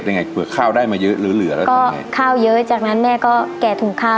ยังไงเผื่อข้าวได้มาเยอะเหลือเหลือแล้วก็ข้าวเยอะจากนั้นแม่ก็แกะถุงข้าว